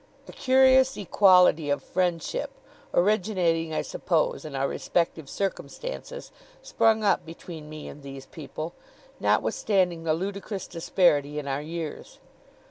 A curious equality of friendship, originating, I suppose, in our respective circumstances, sprung up between me and these people, notwithstanding the ludicrous disparity in our years.